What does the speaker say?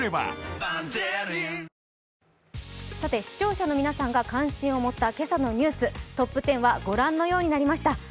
視聴者の皆さんが関心を持ったニュース、トップ１０は御覧のようになりました。